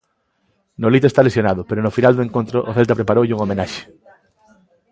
Nolito está lesionado pero no final do encontro o Celta preparoulle unha homenaxe.